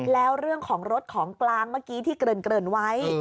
แล้วเรื่องของรถของกลางเมื่อกี้ที่เกริ่นไว้